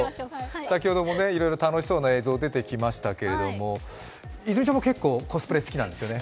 先ほどもいろいろ楽しそうな映像出てきましたけれども、泉ちゃんも結構コスプレ好きなんですよね？